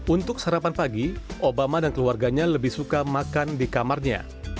untuk sarapan pagi obama dan keluarganya lebih suka makan di kamarnya